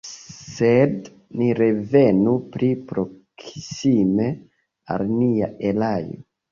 Sed ni revenu pli proksime al nia erao.